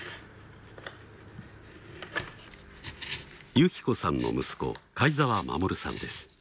雪子さんの息子貝澤守さんです。